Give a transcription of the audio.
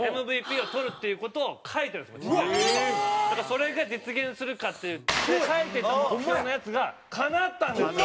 それが実現するか。って書いてた目標のやつがかなったんですよ。